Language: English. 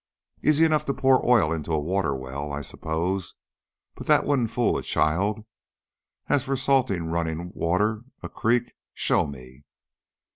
"Easy enough to pour oil into a water well, I suppose, but that wouldn't fool a child. As for salting running water, a creek show me."